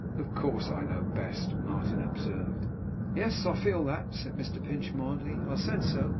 'Of course I know best,' Martin observed. 'Yes, I feel that,' said Mr Pinch mildly. 'I said so.